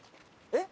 えっ！